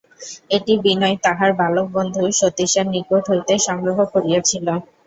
এটি বিনয় তাহার বালক বন্ধু সতীশের নিকট হইতে সংগ্রহ করিয়াছিল।